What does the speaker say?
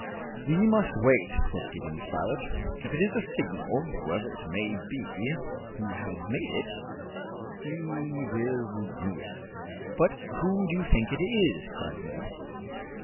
"We must wait," said Gideon Spilett. "If it is a signal, whoever it may be who has made it, he will renew it." "But who do you think it is?" cried Neb.